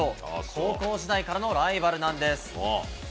高校時代からのライバルなんです。